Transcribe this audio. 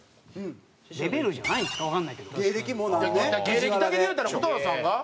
芸歴だけで言うたら蛍原さんが？